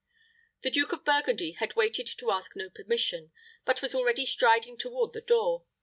The Duke of Burgundy had waited to ask no permission, but was already striding toward the door.